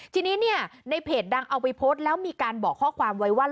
ทีนี้เนี่ยในเพจดังเอาไปโพสต์แล้วมีการบอกข้อความไว้ว่า